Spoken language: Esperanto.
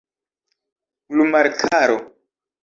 glumarkaro